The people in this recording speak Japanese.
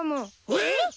えっ！？